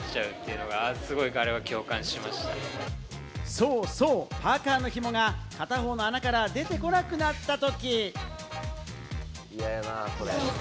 そうそう、パーカのひもが片方の穴から出てこなくなった時。